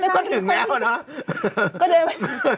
ก็ถึงแล้วนะ